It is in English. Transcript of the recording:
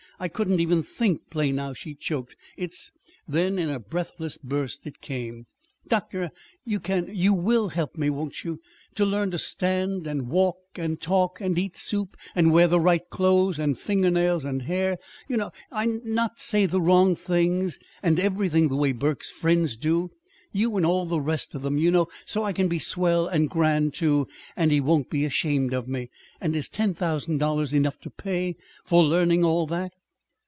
I couldn't even think play now," she choked. "It's " Then in a breathless burst it came. "Doctor, you can you will help me, won't you? to learn to stand and walk and talk and eat soup and wear the right clothes and finger nails and hair, you know, and not say the wrong things, and everything the way Burke's friends do you and all the rest of them you know, so I can be swell and grand, too, and he won't be ashamed of me! And is ten thousand dollars enough to pay for learning all that?"